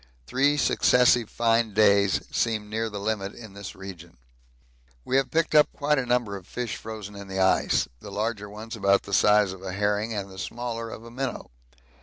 Three successive fine days seem near the limit in this region. We have picked up quite a number of fish frozen in the ice the larger ones about the size of a herring and the smaller of a minnow.